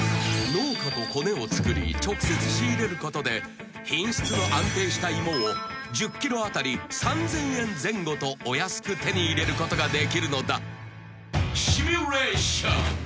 ［農家とコネをつくり直接仕入れることで品質の安定した芋を１０ｋｇ当たり３，０００円前後とお安く手に入れることができるのだ］